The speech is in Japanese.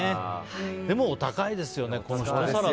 でもお高いですよね。